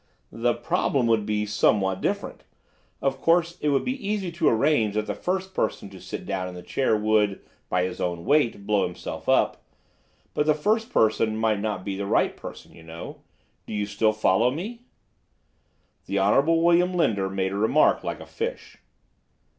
"—the problem would be somewhat different. Of course, it would be easy to arrange that the first person to sit down in the chair would, by his own weight, blow himself up. But the first person might not be the right person, you know. Do you still follow me?" The Honorable William Linder made a remark like a fish.